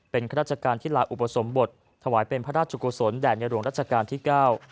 เป็นข้าราชการที่ลาอุปสมบทถวายเป็นพระราชกุศลแด่ในหลวงรัชกาลที่เก้า